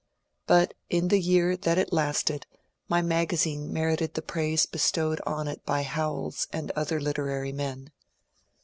But in the year that it lasted my magasine merited the praise bestowed on it by Howells and other literary men.